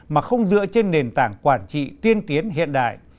mà không dựa trên nền tảng quản trị tiên tiến hiện đại